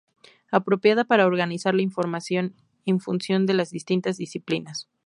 Apropiada para organizar la información en función de las distintas disciplinas.